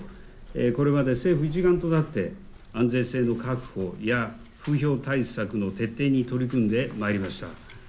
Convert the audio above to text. これまで政府一丸となって安全性の確保や風評対策の徹底に取り組んでまいりました。